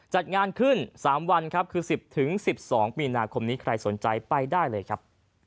จัดงานขึ้น๓วันครับคือ๑๐๑๒มีนาคมนี้ใครสนใจไปได้เลยครับ